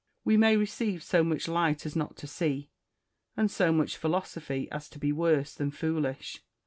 We may receive so much light as not to see, and so much philosophy as to be worse than foolish.